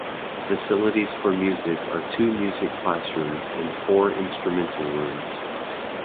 Facilities for music are two music classrooms and four instrumental rooms.